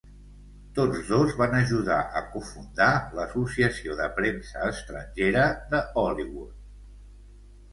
Tos dos van ajudar a cofundar l'Associació de Premsa Estrangera de Hollywood.